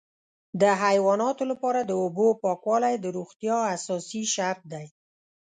د حیواناتو لپاره د اوبو پاکوالی د روغتیا اساسي شرط دی.